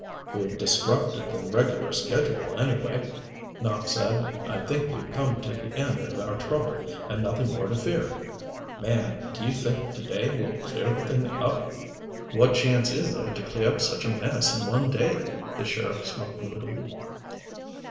"We've disrupted the regular schedule, anyway," Nopp said. "I think we've come to the end of our trouble, and nothing more to fear. Man, do you think to day will clear the thing up?" "What chance is there to clear up such a mess in one day?" The sheriff spoke moodily.